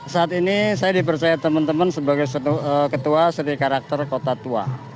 saat ini saya dipercaya teman teman sebagai ketua seni karakter kota tua